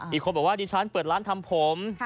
อีกคนบอกว่าดิฉันเปิดร้านทำผม